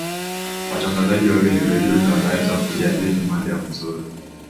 watangazaji wawili redioni wanaweza kujadili mada nzuri